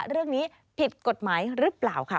เรื่องนี้ผิดกฎหมายหรือเปล่าค่ะ